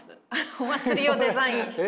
お祭りをデザインした。